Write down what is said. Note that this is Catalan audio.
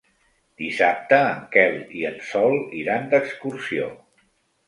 Dissabte en Quel i en Sol iran d'excursió.